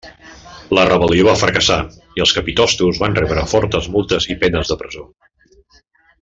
La rebel·lió va fracassar, i els capitostos van rebre fortes multes i penes de presó.